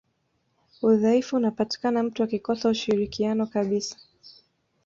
udhaifu unapatikana mtu akikosa ushirikiano kabisa